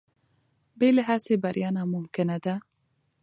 بې له هڅې بریا ناممکنه ده.